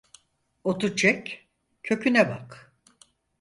Otu çek, köküne bak.